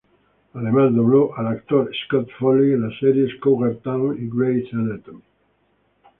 Además dobló al actor Scott Foley en las series "Cougar Town" y "Grey's Anatomy".